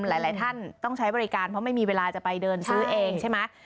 หลายท่านต้องใช้บริการเพราะไม่มีเวลาจะไปเดินซื้อเองใช่ไหม